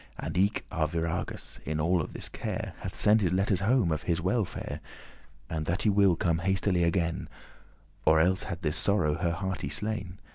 And eke Arviragus, in all this care, Hath sent his letters home of his welfare, And that he will come hastily again, Or elles had this sorrow her hearty slain.